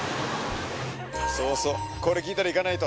そうそうこれ聴いたら行かないと。